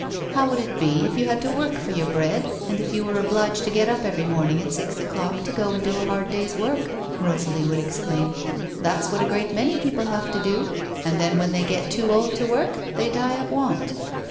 " How would it be if you had to work for your bread, and if you were obliged to get up, every morning at six o'clock to go and do a hard day's work ?" Rosalie would exclaim. " That's what a great many people have to do, and then when they get too old to work, they die of want."